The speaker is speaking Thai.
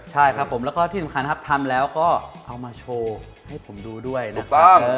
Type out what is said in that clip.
ใช่ครับผมแล้วก็ที่สำคัญครับทำแล้วก็เอามาโชว์ให้ผมดูด้วยนะครับ